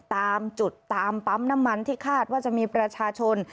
ตามจุดตามปั๊มน้ำมันที่คาดว่าจะมีประชาชน